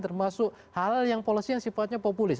termasuk halal yang polisi yang sifatnya populis